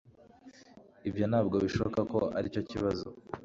Ibyo ntabwo bishoboka ko aricyo kibazo.